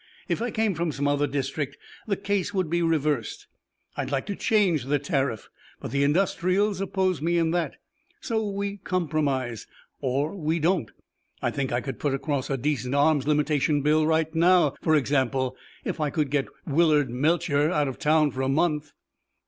If I came from some other district, the case would be reversed. I'd like to change the tariff. But the industrials oppose me in that. So we compromise. Or we don't. I think I could put across a decent arms limitation bill right now, for example, if I could get Willard Melcher out of town for a month."